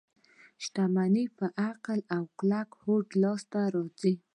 شتمني په عقل او کلک هوډ لاس ته راځي.